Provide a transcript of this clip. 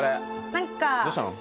何かどうしたの？